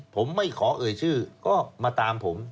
ผมไม่ขอเอ่ยชื่อก็มาตามผม